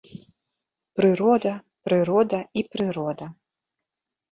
Прырода, прырода і прырода.